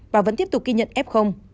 và vẫn tiếp tục ghi nhận f